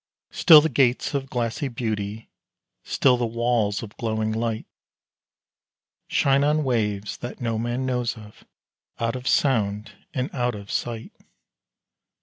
Still the gates of glassy beauty, still the walls of glowing light, Shine on waves that no man knows of, out of sound and out of sight.